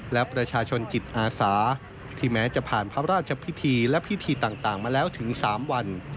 และประชาชนจิตอาสาที่แม้จะผ่านพระราชพิธีและพิธีต่างมาแล้วถึง๓วัน